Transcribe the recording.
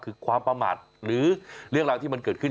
คือความประมาทหรือเรื่องราวที่มันเกิดขึ้น